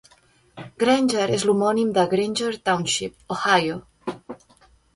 Granger és l'homònim de Granger Township, Ohio.